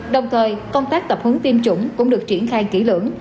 đồng thời công tác tập hướng tiêm chủng cũng được triển khai kỹ lưỡng